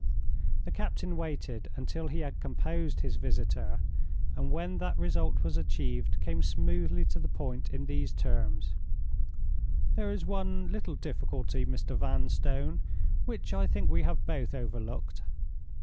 The captain waited until he had composed his visitor, and when that result was achieved came smoothly to the point in these terms: "There is one little difficulty, Mr. Vanstone, which I think we have both overlooked.